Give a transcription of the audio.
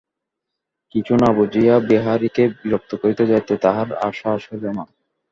কিছু না বুঝিয়া বিহারীকে বিরক্ত করিতে যাইতে তাহার আর সাহস হইল না।